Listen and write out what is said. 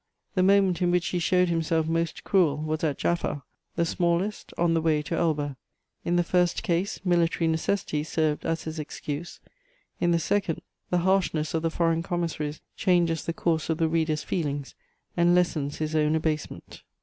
The moment in which he showed himself most cruel was at Jaffa; the smallest, on the way to Elba: in the first case, military necessity served as his excuse; in the second, the harshness of the foreign commissaries changes the course of the reader's feelings and lessens his own abasement.